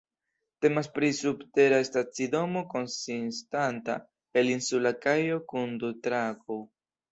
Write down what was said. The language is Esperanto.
Temas pri subtera stacidomo konsistanta el insula kajo kun du trakoj.